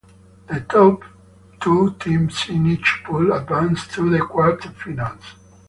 The top two teams in each pool advanced to the quarterfinals.